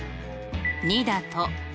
２だと。